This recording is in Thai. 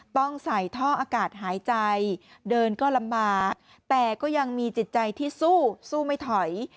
ต้องใส่ท่ออากาศหายใจเดินก็ลำบากแต่ก็ยังมีจิตใจที่สู้สู้ไม่ถอย